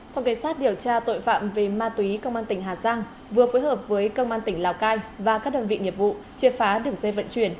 phòng cảnh sát điều tra tội phạm về ma túy công an tỉnh hà giang vừa phối hợp với công an tỉnh lào cai và các đơn vị nghiệp vụ chia phá đường dây vận chuyển